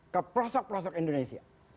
ke pelosok pelosok indonesia